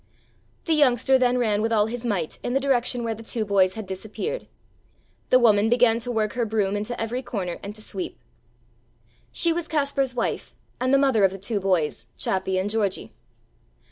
The youngster then ran with all his might in the direction where the two boys had disappeared. The woman began to work her broom into every corner and to sweep. She was Kaspar's wife and the mother of the two boys, Chappi and Georgie.